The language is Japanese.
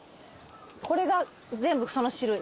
これが全部その種類ですか？